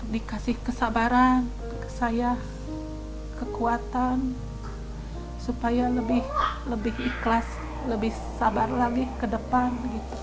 dikasih kesabaran saya kekuatan supaya lebih ikhlas lebih sabar lagi ke depan